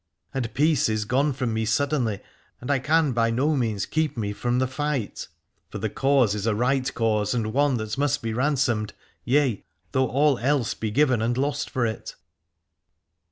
And peace is gone from me suddenly, and I can by no means keep me from the 325 Aladore fight : for the cause is a right cause and one that must be ransomed, yea, though all else be given and lost for it.